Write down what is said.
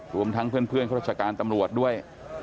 รวมทั้งเพื่อนข้าราชการตำรวจด้วย